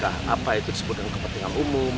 apa itu disebutkan kepentingan umum